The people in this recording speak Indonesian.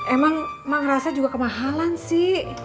emang ngerasa juga kemahalan sih